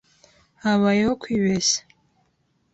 Habayeho kwibeshya.